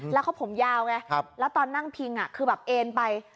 แล้วเขาผมยาวไงแล้วตอนนั่งพิงคือแบบเอ็นไป